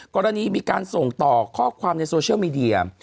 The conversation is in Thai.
กรณีมีการส่งต่อข้อความในโซเชียลมีเดีย